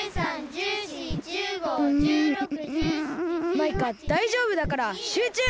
マイカだいじょうぶだからしゅうちゅう！